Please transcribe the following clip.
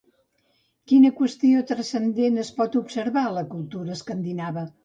Quina qüestió transcendent es pot observar a la cultura escandinava?